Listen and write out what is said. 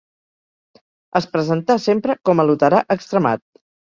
Es presentà sempre com a luterà extremat.